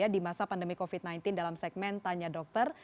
di masa pandemi covid sembilan belas dalam segmen tanya dokter